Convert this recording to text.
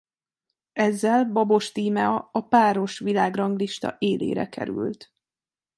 Ezzel Babos Tímea a páros világranglista élére került.